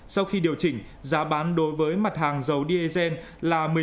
sau khi điều chỉnh giá bán đối với mặt hàng dầu diesel là một mươi sáu đồng một lít